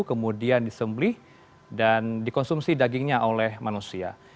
kemudian disembelih dan dikonsumsi dagingnya oleh manusia